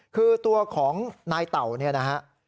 คือตัวของนายเต่าเนี่ยนะฮะ